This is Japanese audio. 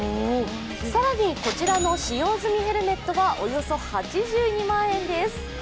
更にこちらの使用済みヘルメットがおよそ８２万円です。